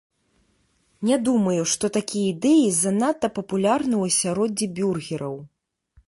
Не думаю, што такія ідэі занадта папулярныя ў асяроддзі бюргераў.